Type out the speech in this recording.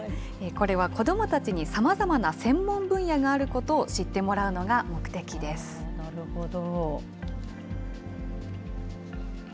これは子どもたちにさまざまな専門分野があることを知ってもなるほど。